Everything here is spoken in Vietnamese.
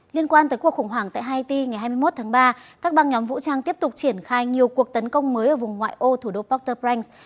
liên quan tới cuộc khủng hoảng tại haiti ngày hai mươi một tháng ba các bang nhóm vũ trang tiếp tục triển khai nhiều cuộc tấn công mới ở vùng ngoại ô thủ đô port au prince